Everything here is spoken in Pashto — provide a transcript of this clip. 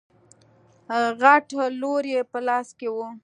غټ لور يې په لاس کې و.